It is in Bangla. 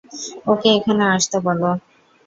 ওকে এখানে আসতে বলো।